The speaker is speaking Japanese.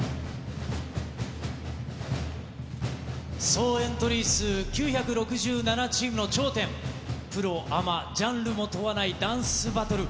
総エントリー数９６７チームの頂点、プロアマ、ジャンルも問わないダンスバトル。